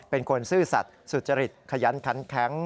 ซื่อสัตว์สุจริตขยันขันแข็ง